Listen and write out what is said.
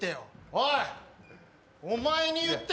おい！